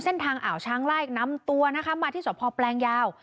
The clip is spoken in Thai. เส้นทางอ่าวช้างไล่น้ำตัวนะคะมาที่สอบพอปแปลงยาว